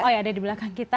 oh iya ada di belakang kita